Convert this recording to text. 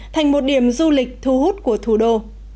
thành một điểm du lịch thu hút của thủ đô